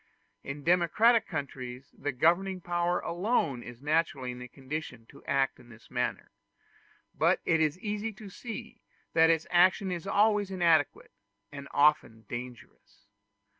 In democratic countries the governing power alone is naturally in a condition to act in this manner; but it is easy to see that its action is always inadequate, and often dangerous.